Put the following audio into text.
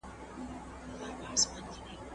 تمرين د زده کوونکي له خوا کيږي!